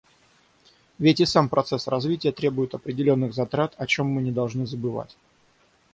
Ведь и сам процесс развития требует определенных затрат, о чем мы не должны забывать.